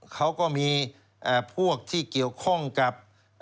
เขาก็มีพวกที่เกี่ยวข้องกับ